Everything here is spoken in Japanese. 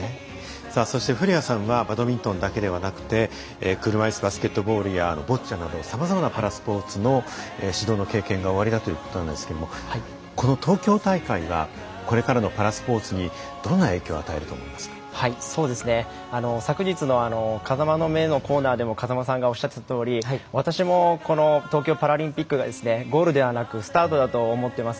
そして古屋さんはバドミントンだけではなくて車いすバスケットボールやボッチャなどさまざまなパラスポーツの指導の経験がおありだということなんですけれどもこの東京大会はこれからのパラスポーツにどんな影響を昨日の「風間の目」のコーナーでも風間さんがおっしゃっていたとおり私もこの東京パラリンピックがゴールではなくスタートだと思ってます。